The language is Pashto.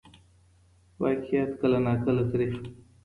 واقعیت کله ناکله تریخ وي.